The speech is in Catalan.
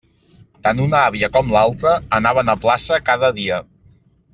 Tant una àvia com l'altra anaven a plaça cada dia.